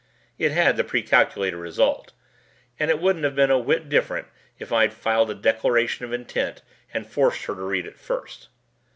It had the precalculated result and it wouldn't have been a whit different if I'd filed a declaration of intent and forced her to read it first.